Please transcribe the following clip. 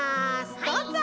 どうぞ！